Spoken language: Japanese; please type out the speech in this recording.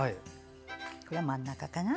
これは真ん中かな。